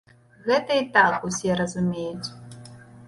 Гэта і так усё разумеюць.